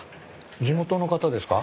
地元の方ですか？